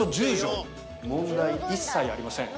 問題一切ありません。